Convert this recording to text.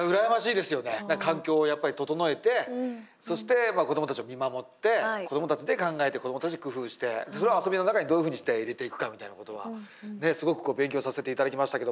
環境をやっぱり整えてそして子どもたちを見守って子どもたちで考えて子どもたちで工夫してそれを遊びの中にどういうふうにして入れていくかみたいなことはすごくこう勉強させていただきましたけど。